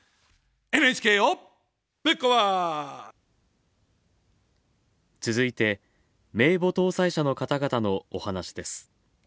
ＮＨＫをぶっ壊続いて、名簿登載者の方々の、お話です。